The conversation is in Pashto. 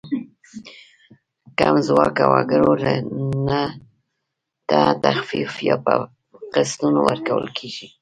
کم ځواکه وګړو ته تخفیف یا په قسطونو ورکول کیږي.